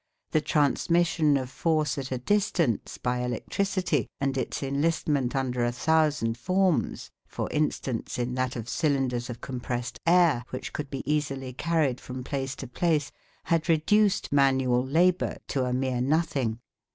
The transmission of force at a distance by electricity, and its enlistment under a thousand forms, for instance, in that of cylinders of compressed air, which could be easily carried from place to place, had reduced manual labour to a mere nothing.